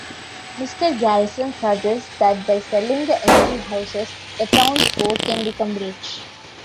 Mr. Garrison suggests that by selling the empty houses the townsfolk can become rich.